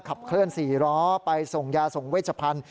ขับเคลื่อน๔ล้อไปส่งยาส่งเวชพันธุ